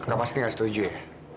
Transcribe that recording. kakak pasti gak setuju ya